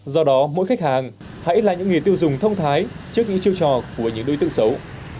do đó mỗi khách hàng hãy là những người tiêu dùng thông thái trước những chiêu trò của những đối tượng xấu